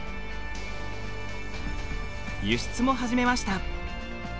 輸出も始めました。